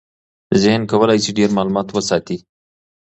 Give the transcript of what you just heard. ذهن کولی شي ډېر معلومات وساتي.